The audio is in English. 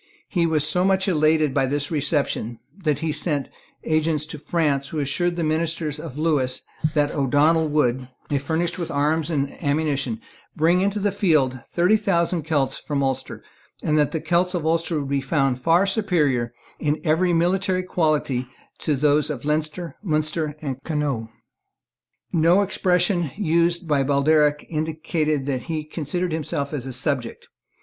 He was so much elated by his reception that he sent agents to France, who assured the ministers of Lewis that the O'Donnel would, if furnished with arms and ammunition, bring into the field thirty thousand Celts from Ulster, and that the Celts of Ulster would be found far superior in every military quality to those of Leinster, Munster and Connaught. No expression used by Baldearg indicated that he considered himself as a subject.